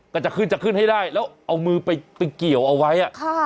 ก็จะขึ้นจะขึ้นให้ได้แล้วเอามือไปเกี่ยวเอาไว้